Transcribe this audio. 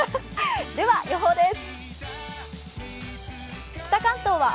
では予報です。